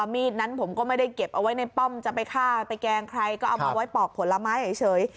มีดนั้นผมก็ไม่ได้เก็บเอาไว้ในป้อมจะไปฆ่าไปแกล้งใครก็เอามาไว้ปอกผลไม้เฉย